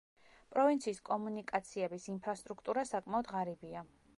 პროვინციის კომუნიკაციების ინფრასტრუქტურა საკმაოდ ღარიბია.